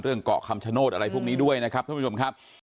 เกาะคำชโนธอะไรพวกนี้ด้วยนะครับท่านผู้ชมครับ